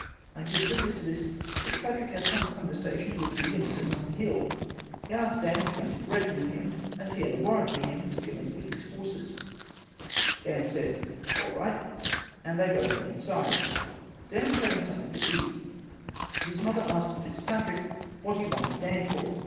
I hear previous to this Fitzpatrick had some conversation with Williamson on the hill. he asked Dan to come to Greta with him as he had a warrant for him for stealing Whitty's horses Dan said all right they both went inside Dan was having something to eat his mother asked Fitzpatrick what he wanted Dan for.